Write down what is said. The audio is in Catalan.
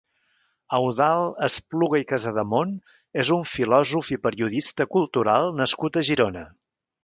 Eudald Espluga i Casademont és un filòsof i periodista cultural nascut a Girona.